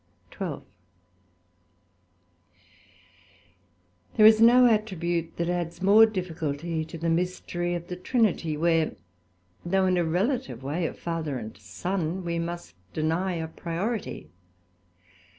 SECT.12 There is no Attribute that adds more difficulty to the mystery of the Trinity, where, though in a relative way of Father and Son, we must deny a priority.